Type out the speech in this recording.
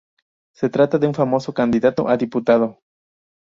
Se trata de un famoso candidato a diputado.